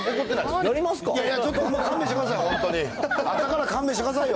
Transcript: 朝からだから勘弁してくださいよ。